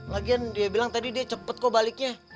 lagian dia bilang tadi dia cepat kok baliknya